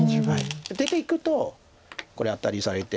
出ていくとこれアタリされて。